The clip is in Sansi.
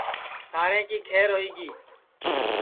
ساریں کی کھیر ہوئی گی